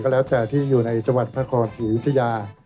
แล้วแต่ที่อยู่ในจังหวัดพระนครศรีอยุธยา